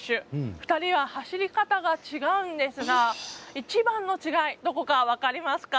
２人は走り方が違うんですが、一番の違いどこか分かりますか？